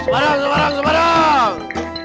semarang semarang semarang